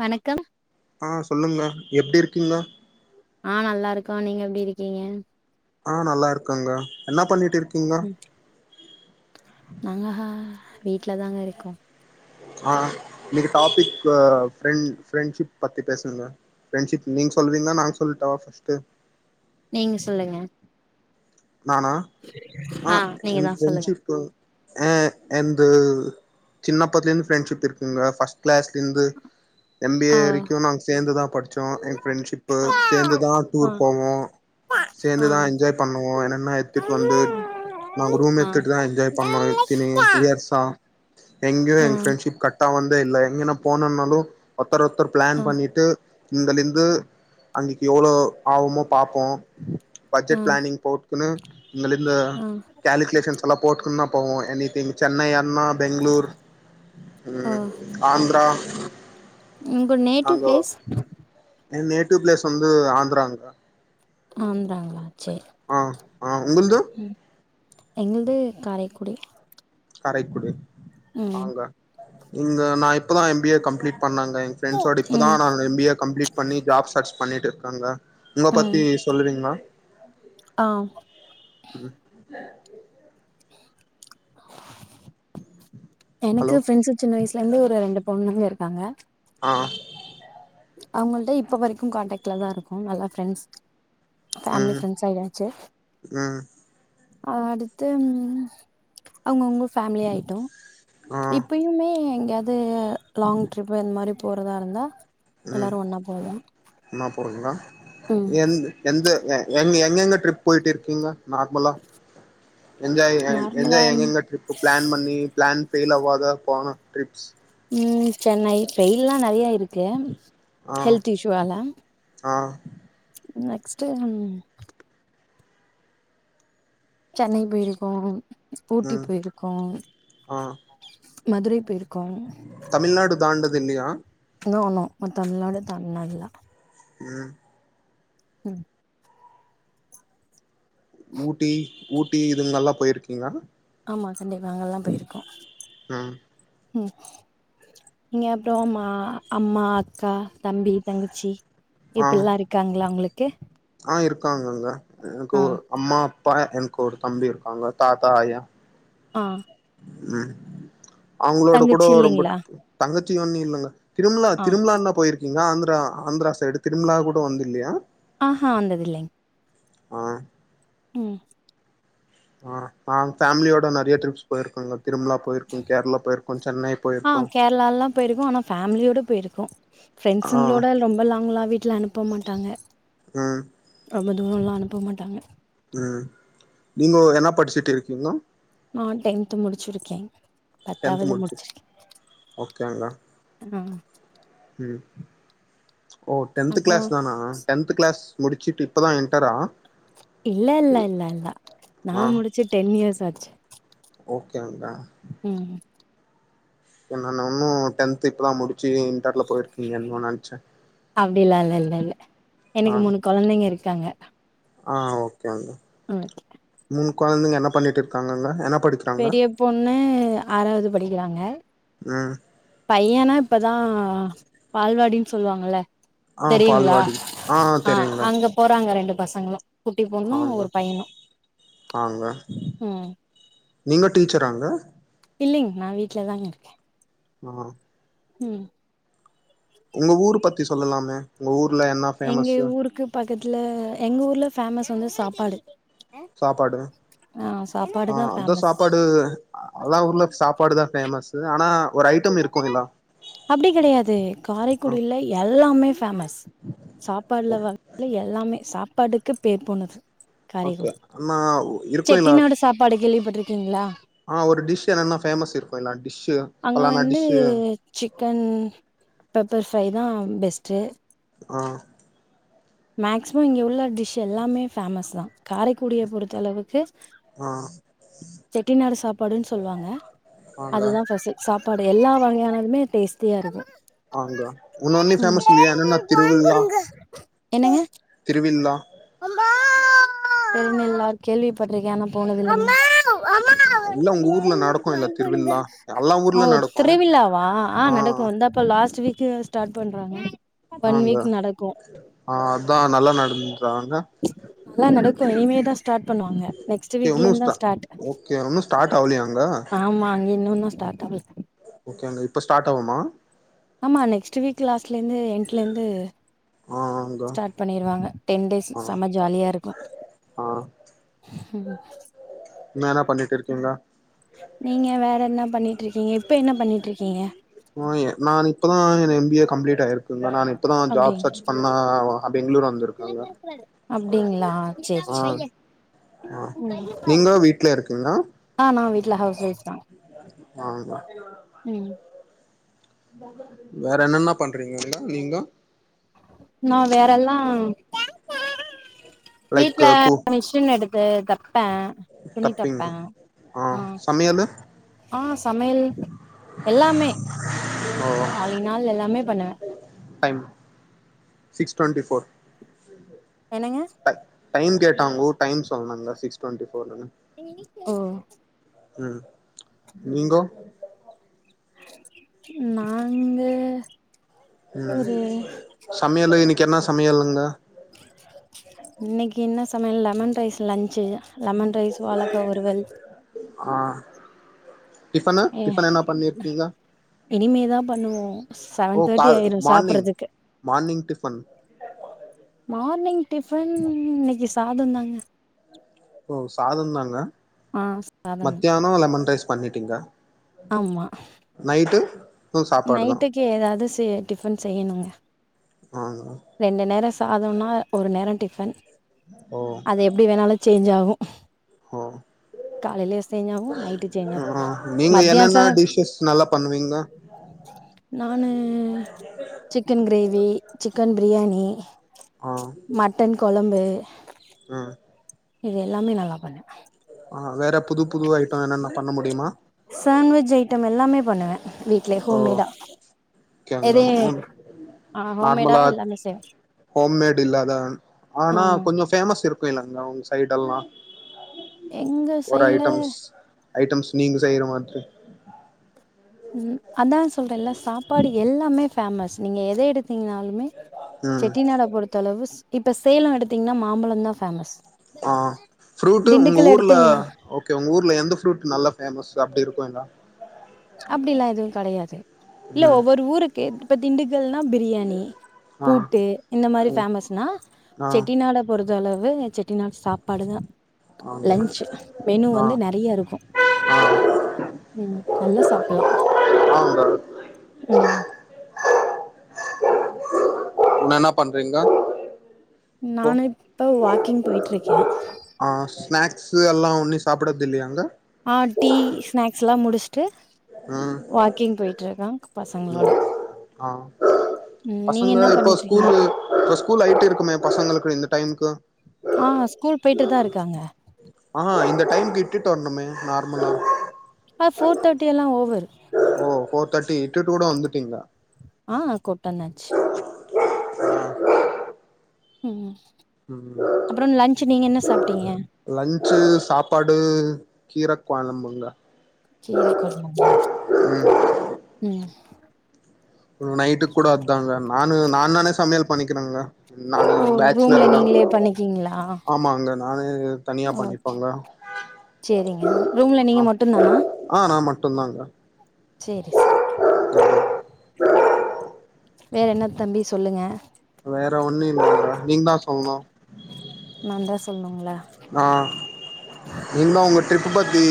வணக்கம் ஆஹ் சொல்லுங்க எப்படி இருக்கீங்க ஆஹ் நல்லா இருக்கோம் நீங்க எப்படி இருக்கீங்க ஆஹ் நல்லா இருக்கங்க என்னா பண்ணிட்டு இருக் உம் நாங்க ஹா வீட்டு்ல தாங்க இருக்கோம் ஆஹ் இன்னைக்கு டாபிக் பிரெண் ஃபிரெண்ட்ஷிப் பத்தி பேசுங்க ஃபிரண்ட்ஷிப் நீங்க சொல்லிங்கலா நாங்க சொல்லட்ட ஃபஸ்ட் நீங்க சொல்லுங்க நானா ஆ நீங்க என் தா சொல்லுங்க ஃபிரெண்ட்ஷிப்பு என் சின்ன பத்துலருந்து ஃபிரண்ட்ஷிப் இருக்குங்க ஃபஸ்ட் கிளாஸ்லேந்து எம்பிஏ ஆ வரைக்கும் நாங்க சேந்துதான் படிச்சோம் எங்க ஃப்ரெண்ட்ஷிப்பு ஆ சேந்துதான் ஆ டூர் போவோம் ஆ ஆ சேந்துதான் என்ஜாய் பண் என்னன்னா எத்துட்டு வந்து நாங்க ரூம் ஆ எத்துட்டு தான் என்ஜாய் பண்ணோம் இத்தினி இயர்ஸா எங்யோ எங்க ஃபிரெண்ஷிப் கட்டாவுன் தெ இல்ல எங்கன போனுன்னாலு ஒருத்தர் ஒருத்தர் ப்ளான் ஆ பண்ணிட்டு இங்கலிந்து அங்கக்கி எவ்ளொ ஆவுமோ பாப்போ பட்ஜெட் ப்ளானிங் துனு இந்தலிந்த ஆ கால்க்குலேஷன்ஸ் அதல்லா போட்டுக்குன்னா போவோ எனிதிங் சென்னையன்னா பெங்களூர் ஓ ஆந்திரா உங்க நேட்டிவ் நாங்க ப்ளேஸ் என் நேட்டிவ் பிளேஸ் வந்து ஆந்திராங்க ஆந்த்ராங்ளா சே ஆ ஆ உங்கள்து எங்கள்து காரைக்குடி காரைக்குடி ம் ஆங்க இங்க நா இப்பதா எம் பி ஏ கம்ப்ளீட் பண்ணங்க என் ஃப்ரெண்ட்ஸோட இப்பதா ம் நான் எம் பி ஏ கம்ப்ளீட் பண்ணி ஜாப் சர்ச் பண்ணிட்டுருக் கங்க [unintelligible] உங்க ம் பத்தி சொல்லுறீங்ளா ஆ உம் எனக்கு ஹலோ ஃப்ரெண்ட்ஸு சின்ன வயசுலந்து ஒரு ரெண்டு பொண்ணுங்க இருக்காங்க ஆ அவுங்கள்ட்ட இப்ப வரைக்கும் கான்டாக்ட்ல தா இருக்கோ நல்ல ஃப்ரெண்ட்ஸ் ஃபேமிலி ம் ஃப்ரெண்ட்ஸாயாச்சு ம் அ அடுத்து ம் அவுங்கவுங்க ஃபேமிலி ஆயிட்டோ ஆ இப்பயுமே யாது லாங் ட்ரிப் இந் மாரி போறதா இருந்தா எல்லாரு ஒன்னா போவோ ஒருநா ம் எந் எந்த எங் எங்கெங்க ட்ரிப் போயிட்டு இருக்கீங்க நார்மலா என்ஜாய் நார்மலா என்ஜாய் எங்கெங்க ட்ரிப்பு ப்ளான் பண்ணி ப்ளான் ஃபெயில் ஆவாத போனா ட்ரிப்ஸ் உம் சென்னை ஃபெய்ல்லா நெறையா ஆயி ருக்கு ஹெல்த் இஷ்யூவால ஆஹ் நெக்ஸ்ட் உம் சென்னை போயிருக்கோம் ஊட்டி ம் போயிருக்கோம் ஆ மதுரை பேரு தமிழ்நாடு தாண்டது தில்லியா நோ நோ நா தமிழ்நாடு தாண்டுனது இல்ல உம் உம் ஊட்டி ஊட்டி இதுங்கல்லாம் போயிருக்கீங்களா ஆமா கண்டிப்ப நாங்கல்லாம் போயிருக்கோம் ம் உம் நீங்க அப்பறம் மா அம்மா அக்கா தம்பி தங்கச்சி இப்ப எல்லா இருக்காங்களா உங்க ளுக் ஓகே ஆஹ் இருக்காங்கங்க எனக்கு ஒரு அம்மா அப்பா எனக்கு ஒரு தம்பி இருக்காங்க தாத்தா அய்யா ஆஹ் உம் அவங்களோட கூட தங்கச்சி ரொம்ப இல்லைங்களா தங்க சி ஒன்னு இல்லைங்க திருமலா ஆ திருமலானா போயிருக் இங்க ஆந்திரா ஆந்திரா சைடு திரும்ல கூட வந்து இல்லையா ஆஹ்ஹ வந்ததில்லங் ஆஹ் உம் ஆஹ் ஆ ஃபேமிலியோட நிறைய ட்ரிப்ஸ் போயிருக்கங்க போயிருக்கோ ஆஹ் கேரளா எல்லாம் போயிருகோ ஆனா ஃபேமிலியோட போயிருக்கும் ஆ ப்ரெண்ட்ஸுங்களோட ரொம்ப லாங்லாம் வீட்டுல அனுப்ப மாட்டாங்க ம் ரொம்ப தூரம்லா அனுப்ப மாட்டாங்க உம் நீங்கோ என்ன படிச்சுட்டு இருக்கீங்கோ நா டென்த் முடிச்சிருக்கேன் டென்த் பத்தாவது முடிச்சு முடிசிருக்க ஆஹ் உம் ஓ டென்த் அப்புறோ கிளாஸ் தானா டென்த் கிளாஸ் முடிச்சிட்டு இப்பதான் என்டரா இல்ல இல்ல இல்ல இல்ல ஆ நான் முடிச்சு டென் இயர்ஸ் ஆச்சு ஓகேங்க உம் நானும் டென்த் இப்பதான் முடிச்சு இந்தட் அப்டிலாம் இல்ல இல்ல இல்ல எனக்கு மூணு குழந்தைங்க இருக்காங்க ஆஹ் ஓகே ம் உம் குழந்தைங்க என்ன பண்ணிட்டு இருக்காங்காங்க என்ன படிக்கிறாங்க பெரிய பொண்ணு ஆறாவது படிக்கிறாங்க ம் பையனா இப்பதான் பால்வாடினு சொல்லுவாங்கல ஆ தெரியுங்களா பால்வாடி ஆ ஆஹ் தெரியுங்க அங்க போறாங்க ரெண்டு பசங்களா ஆங்க ஆங்க ம் நீங்க டீச்சராங்க இல்லைங்க நான் வீட்டு்லதாங்க இருக்கேன் ஆஹ் உம் உங்க ஊரு பத்தி சொல்லலாமே உங்க ஊர் எங்க ஊருக்கு பக்கத்துல எங்க ஊர்ல ஃபேமஸ் வந்து சாப்ப பாடு சாப்பாடு சாப்பாடுதா ஆஹ் அந்த ஃபேமஸ் சாப்பாடு அல்லா ஊர்ல சாப்பாடுதான் பேஃபேமஸ்ஸு ஆனா ஒரு ஐட்டம் இருக்குல்ல அப்படி கிடையாது ஆ காரைக்குடில எல்லாமே ஃபேமஸ் சாப்பாடுல வந்து எல்லாமே சாப்பாட்டுக்கு பேர் போணது ஓகே காரைக்குடி ஆனா செட்டி நாடு சாப்படு கேள்வி பட்டு இருக்குதுங்களா ஆஹ் ஒரு டிஷ் என்னென்னா ஃபேமஸ் இருக்கும் எல்லா டிஷ் அங்க வந்து சிக்கன் பெப்பர் ஃப்ரை தான் பெஸ்ட்டு ஆஹ் மேக்சிமம் இங்க உள்ள டிஷ் எல்லாமே ஃபேமஸ் தான் காரைக்குடிய பொறுத்த அளவுக்கு ஆ செட்டிநாடு சாப் பாடுன்னு சொல்லுவாங்க ஆங்கா அதுதான் பசி சாப் பாடு எல்லா வகையானதுமே டேஸ்ட்டியா இருக்கும் ஆங்க ஒன்னொனுல ம் ஃபேமஸ்லையா என்னன்ன திருவிழா என்னங்க திருவில்லா அம்மம்மமா பெருநலா கேள்வி பற்றிருக்கே ஆன போனதுயில்ல அம்மாவு அம்மாவும் எல்லா எனக்கு உங்க டைரி ஊர்ல மில்க் நடக்கு இல்ல வாங்கி கொடுங்க திருவிழா எல்லா ஊர்ல ஓஹோ நடக்கு திருவிலாவா ஆஹ் ஆ நடக்கும் ஹான் இந்தா இப்போ லாஸ்ட் வீ்க் ஸ்ட்ராட் பண்றாங்க ஒன் ஆங்க வீக் நடக்கும் ஆ அதா நல்லா நடந்துறாங்க நல்லா நடக்கும் இனிமேதான் ஸ்டார்ட் பண்ணுவாங்க நெக்ஸ்ட் ஓகே வீக்ல இருந்துதா ஒன்னும் ஸ்டார்ட் ஓகே ஒன்னும் ஸ்டார்ட் ஆவலையா அங்க இன்னும் ஸ்டார்ட் ஆகல ஓகே இப்ப ஸ்டார்ட் ஆவுமா ஆமா நெக்ஸ்ட் வீக் லாஸ்லியிந்து எண்டுலேயிந்து ஆ ஆங்க ஸ்டார்ட் பண்ணிடுவாங்க டென் டேஸ் ஆ செம்ம ஜாலியா இருக்கும் ஆ என்னனா பண்ணிட்டு இருக்கீங்க நீங்க வேற என்ன பண்ணிட்டு இருக்கீங்க இப்போ என்ன பண்ணிட்டு இருக்கீங்க ஆஹ்ன் நான் இப்பதான் என் எம்பிஏ கம்ளிட் ஆ இருக்கும் நானே இப்பதான் அப்டி ஜாப் சச் பண்ணுனா பெங்ளூர் வந்து இருக்காங்க அப்டிங்களா சேரி சேரி ஆ நீங்களும் வீட்ல இருக்கீங்க இல்ல ஹவுஸ் ஒய்ஃப் தான் வாங்க வேற என்னென்ன பண்றீங்க இங்க நீங்க நான் வேறெல்லாம் லைக் வீட்ல கூ மிஷின் இருக்கு அதேதா தப்பேன் துணி தப்பிங் தப்பேன் ஆ ஆ சமையல் எல்லாமே ஓ ஆலிநால் எல்லாமே பண்ணுவேன் மடைம் சிக்ஸ் டுவன்ட்டி ஃபோர் என்னங்க டை டைம் கேட்டாங்கோ டைம் சொன்னுங்க சிக்ஸ் டுவெண்டி ஃபோர்ன்னு ஓ ம் நீங்கோ [inaudible] நாங்க ம் ஒரு சமையலு இன்னக்கி என்னா சமையலுங்க இன்னைக்கி என்ன சமயல் lemon rice lunch lemon rice வாழக்கா வருவல் ஆ டிஃபனு ஏ டிஃபன் என்ன பண்ணிருக்கீங்க இனிமேதான் பண்ணுவோம் ஓ செவன் கா தேர்ட்டி ஆயிரும் சாப்பறத்துக்கு டிபன் மார்னிங் டிஃபன் இன்னைக்கி சாதம் தாங்க ஓ சாதம் தாங்க சாதம் தான் மத்தியானம் லெமன் ரைஸ் பண்ணிட்டீங்க ஆமா நைட்டு ம் சாப்பாடு தா நைட்டுக்கு ஏதாது சே டிஃபன் செய்யணுங்க ஆ ரெண்டு நேரம் சா சாதோன்னா ஒரு நேரம் டிஃபன் ஓ அது எப்டி வேணாலும் சேஞ்ச் ஆகும் [unintelligible] ஓ காலயிலயே சேஞ்சாகும் நைட்டு சேஞ்சாகும் ஆ நீங்க என்னென்ன மத்தியானச டிஷ்ஷஸ் நல்லா பண்ணுவீங்க நானு சிக்கன் கிரேவி சிக் சிக்கன் பிரியாணி ஆ மட்டன் குழம்பு [inaudible] ம் இது எல்லாமே நல்லா பண்ணு ஆ வேற புது புது ஐட்டம் என்னென்ன பண்ண முடியுமா சாண்வெஜ் ஐட்டம் எல்லாமே பண்ணுவேன் வீட்லயே ஓ ஹோம்மேடா கேனா எதையும் ஆ ஹோம்மேடா நார்மலா எல்லாமே செய்வேன் ஹோம்மேடு் இல்லாத ஆ ஆனா கொஞ்ச பேமஸ் இருக்கும் இல்லங்க உங்க ஜட்டன்னா எங்க சைட்ல ஐட்டம்ஸ் நீங்க செய்யற மாதிரி உம் அதான் சொல்றேன்ல்ல சாப்பாடு எல்லாமே பேமஸ் நீங்கள் எதை எடுத் ங்கினாலுமே ம் செட்டிநட பொறுத்த அளவு இப்ப சேலம் எடுத்தீங்கன்னா மாம்பழம் தான் பேமஸ் ஆஹ் ப்ரூட் உங்க ஊர்ல எடுத்தீங்கன்னா ஓகே உங்க ஊர்ல எந்த ப்ரூட் நல்லா பேமஸ் அப்படி இருக் மேகா [unintelligible] அப்படில்லாம் எதுவும் கிடையாது இல்ல ம் ஒவ்வொரு ஊருக்கு இப்ப திண்டுக்கள்னா பிரியாணி ஆ பூட்டு இந்த மாரி ம் பேமஸ்னா ஆ செட்டி நாட பொறுத் ஒரு அளவு செட்டி நாடு சாப்பாடுதான் ஆங்க லன்ச் மெனு ஆ வந்து நிறைய இருக்கும் ஆ சாப்டலாம் ஆங்க உம் என்ன என்ன பண்றீங்க இப்போ நான் இப்ப வாக் க்கிங் போய்ட்டுருக்கேன் ஆஹ் ஸ்நேக்ஸ்சு எல்லா உன்னி சாப்பிடது இல்லியாங்க ஆஹ் டீ ஸ்நேக்ஸ்சு எல்லா முடிச்சுட்டு வாக்கிங் போயிட்ருக்கே பசங்களோட உஹம் ஹா ம் நீங்க பசுங்க என்ன இப்ப ஸ்கூல் பண்ணிட்ருக்கீங்க இப்ப ஸ்கூல் ஐட்டு இருக்குமே பசங்குளுக்கு இந்த டைம்க்கு போய்ட்ருதா இருக்காங்க ஆஹ் இந்த டைம்க்கு இத்துட்டு வர்ணுமே நார்முலா இப்ப போர் தேட்டி எல்லா ஓவர்ரு ஓ போர் தேட்டி ட்டு டூடா வந்துட்டீங்க ஆஹ் கொட்டன்னாச்சு உம் சாப்ட்டீங்க லன்ச்சு சாப்பாடு கீரக் கொலம்புங்க கீர கொழம்புங்குளா உம் நைட்டுக்கு பண்ணிக்கிறாங்குளா நா ஓ ரூம்ல பேஜ்சுலர் தா நீங்களே பண்ணிக்கீங்களா ஆமாங்க நானே தனியா ஓ பண்ணிப்பங்க சேரிங்க ரூம்ல நீங்க மட்டுந்தானா ஆஹ் மட் மட்டு்தாங்க செரி சேர் வேற என்ன தம்பி சொல்லுங்க வேற ஒண்ணு [inaudible] நீங்தா சொல்ணு நான்தா சொல்ணுங்களா ஆஹ் நீங்கு தா உங்கு ட்ரிப்பு பத்தி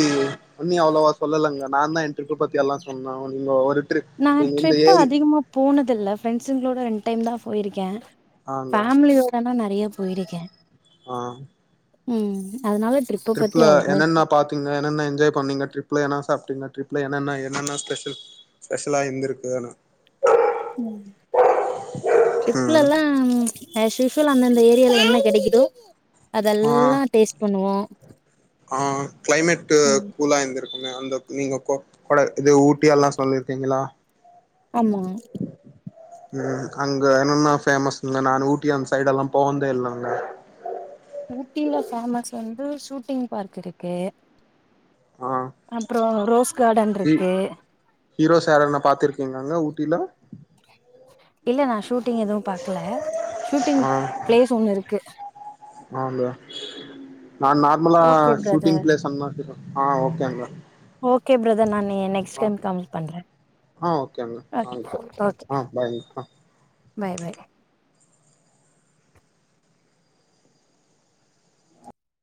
அன்னி அவ்வுளவா சொல்லலங்க நாந்தா என் ட்ரிப்ப பத்தி எல்லா சொன்னோ நீங்க ஒரு ட்ரிப் நான் நீங்க இந்த ட்ரிப் ஏரி அதிகமா போனதுல்ல ப்ரேண்ஸ்ங்குளோட ரெண் டைம் தா போயிருக்கே ஆங்க ஃபேமிலியோடனா நா நெறைய போயிருக்கே ஆஹ் உம் ட்ரிப்ல என்னன்ன பாத்தீங்க என்னென்ன என்ஜாய்ண்ணீங்க ட்ரிப்லன என்ன சாப் ட்டிங்க ட்ரிப்ல என்னன்ன என்னன்ன ஸ்பெஷல் ஸ்பெஷலா இந்திருக்கோனு ம் ட்ரிப்புலெல்லாம் ஹ ஷிஷல் அந்தந்த ஏரியால என்ன கெடைக்கிதோ அதெல்லா டேஸ்ட் பண்ணுவோ ஆன் கிளைமெட்டு ம் கூலாந்திருக் ங்க அந்த நீங்க கொப் கொளே இதே ஊட்டியல்லா சொல்லிப்பிருக்கீங்ளா ஆமா உம் அங்க என்னன்னா பேஃமஸ்னுங்க நானு ஊட்டி அந்த சைடுல்லா போனுந்தே இல்லங்க ஊட்டில ஃபேமஸ் வந்து ஷூட்டிங் பார்க் இருக்கு அப்புறோ ரோஸ் கார்டன் ஹி இருக்கு ஹீரோ சார்ன பாத்திருக்கீங்களா யூ நோ இல்ல நான் ஷூட்டிங் எதுவும் பாக்கல ஷூட்டிங் ஆ பிளேஸ் ஒண்ணு இருக்கு ஆங்க நான் நார்மலா ஓகே சூட்டிங் பிரதர் ப்ளேஸ் அனான் ஆஹ் ஓக்கேங்க ஓக்கே பிரதர் இப்போ ம். நெக்ஸ்ட் டைம் கமீட் பண்றன் ஆ ஓகேங்க ஓக்கே வாங்க ஓக்கே ஆ பாய்ங்க ஆ பாய் பாய்